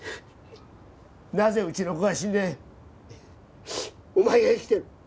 なぜうちの子が死んでお前が生きてる？